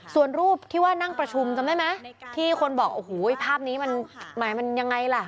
ส่วนรูปที่ว่านั่งประชุมจำได้ไหมที่คนบอกโอ้โหภาพนี้มันหมายมันยังไงล่ะ